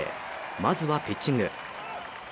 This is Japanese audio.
まずはピッチング。